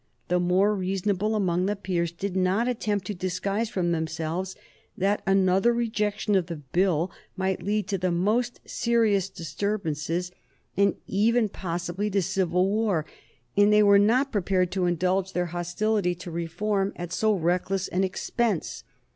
The more reasonable among the peers did not attempt to disguise from themselves that another rejection of the Bill might lead to the most serious disturbances, and even possibly to civil war, and they were not prepared to indulge their hostility to reform at so reckless an expense.